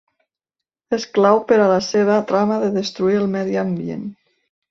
És clau per a la seva trama de destruir el medi ambient.